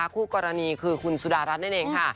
คู่กรณีคือคุณสุดารัฐนั่นเองค่ะ